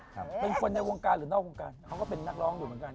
เป็นคนในวงการหรือนอกวงการเขาก็เป็นนักร้องอยู่เหมือนกัน